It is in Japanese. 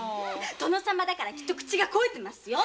殿様だから口が肥えてますよ。